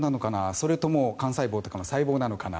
それとも幹細胞とかの細胞なのかな